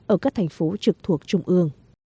ở các thành phố trực thuộc trung ương